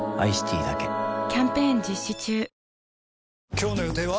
今日の予定は？